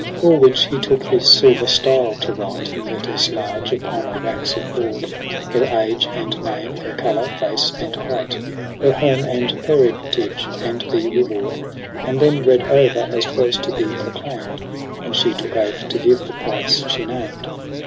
lO All which he took his silver stile to write In letters large upon a waxed board j Her age and name, her colour, face and height. Her home, and parentage, and the reward : And then read o'er as 'twas to be proclaim'd. And she took oath to give the price she named.